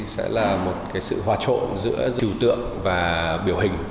sẽ là một sự hòa trộn giữa tượng và biểu hình